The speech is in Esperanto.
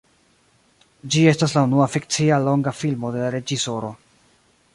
Ĝi estas la unua fikcia longa filmo de la reĝisoro.